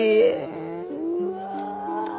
うわ。